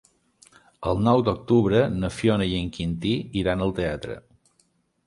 El nou d'octubre na Fiona i en Quintí iran al teatre.